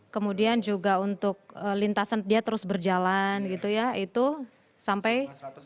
kemudian juga untuk lintasan dia terus berjalan gitu ya itu sampai